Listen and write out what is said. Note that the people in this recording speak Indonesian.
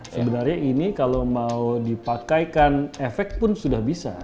sebenarnya ini kalau mau dipakaikan efek pun sudah bisa